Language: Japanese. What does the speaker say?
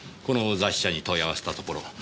この雑誌社に問い合わせたところ